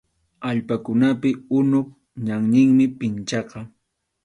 Allpakunapi unup ñanninmi pinchaqa.